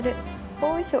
よいしょ。